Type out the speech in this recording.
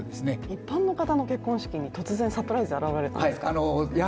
一般の方の結婚式に、突然サプライズで現れたんですか。